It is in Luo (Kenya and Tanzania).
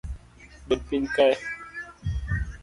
Bed piny kae